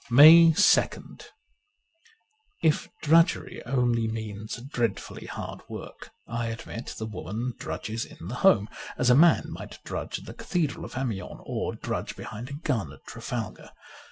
133 MAY 2nd IF drudgery only means dreadfully hard work, I admit the woman drudges in the home, as a man might drudge at the Cathedral of Amiens or drudge behind a gun at Trafalgar.